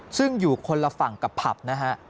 ซึ่งอยู่คนละฝั่งกับผับนะฮะ